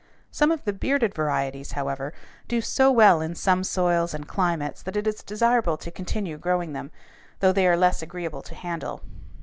Some of the bearded varieties, however, do so well in some soils and climates that it is desirable to continue growing them, though they are less agreeable to handle.